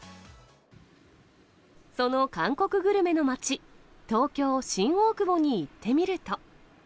その韓国グルメの街、東京・新大久保に行ってみると。